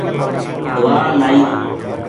دوا لائی